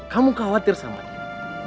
kamu khawatir sama dia